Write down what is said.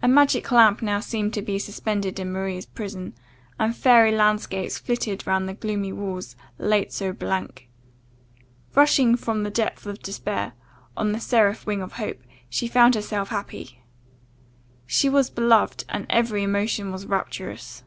A magic lamp now seemed to be suspended in Maria's prison, and fairy landscapes flitted round the gloomy walls, late so blank. Rushing from the depth of despair, on the seraph wing of hope, she found herself happy. She was beloved, and every emotion was rapturous.